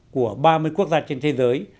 của ba mươi quốc gia trên thế giới